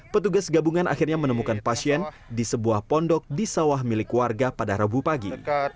petugas gabungan akhirnya menemukan pasien di sebuah pondok di sawah milik warga pada rabu pagi